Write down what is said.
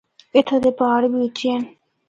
اِتھا دے پہاڑ بھی اُچے ہن۔